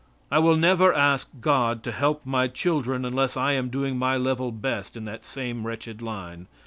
I will never ask God to help my children unless I am doing my level best in that same wretched line.